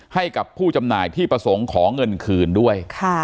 ให้กับผู้จำหน่ายที่ประสงค์ขอเงินคืนด้วย